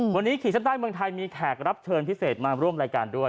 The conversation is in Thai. วันนี้ขีดเส้นใต้เมืองไทยมีแขกรับเชิญพิเศษมาร่วมรายการด้วย